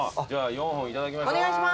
４本いただきましょう。